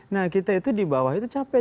nah kita itu di bawah itu capek